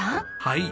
はい。